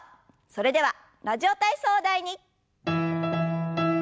それでは「ラジオ体操第２」。